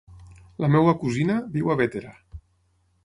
La meva cosina viu a Bétera.